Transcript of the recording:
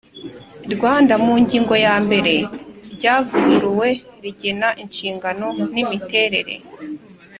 Rwanda mu ngingo ya mbere ryavuguruwe rigena Inshingano n Imiterere